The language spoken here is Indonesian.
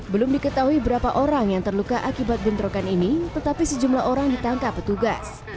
belum diketahui berapa orang yang terluka akibat bentrokan ini tetapi sejumlah orang ditangkap petugas